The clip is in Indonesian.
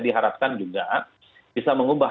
diharapkan juga bisa mengubah